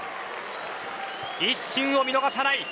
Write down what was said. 一瞬を見逃さない。